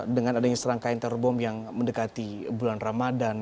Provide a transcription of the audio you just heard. dengan adanya serangkaian terbom yang mendekati bulan ramadan